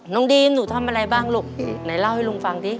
ดีมหนูทำอะไรบ้างลูกไหนเล่าให้ลุงฟังสิ